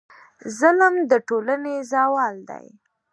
ظلم د ټولنې زوال دی.